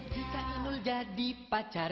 jika ingin menjadi pacarku